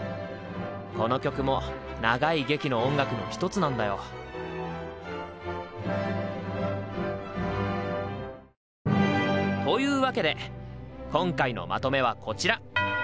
この曲も長い劇の音楽の一つなんだよ。というわけで今回のまとめはこちら！